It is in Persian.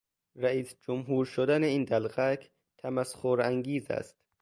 رئیس جمهور شدن این دلقک تمسخر انگیز است.